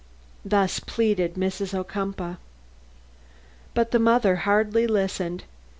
Thus pleaded Mrs. Ocumpaugh. But the mother hardly listened.